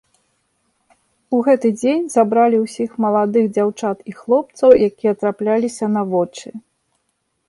У гэты дзень забралі ўсіх маладых дзяўчат і хлопцаў, якія трапляліся на вочы.